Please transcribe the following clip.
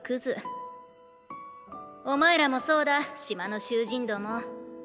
お前らもそうだ島の囚人ども！